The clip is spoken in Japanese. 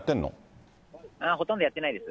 ほとんどやってないです。